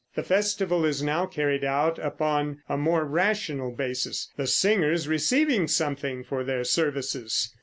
The festival is now carried out upon a more rational basis, the singers receiving something for their services.